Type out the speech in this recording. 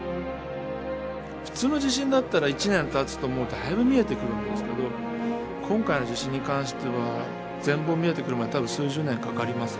普通の地震だったら１年たつとだいぶ見えてくるんですけど今回の地震に関しては全貌が見えてくるまで多分数十年かかります。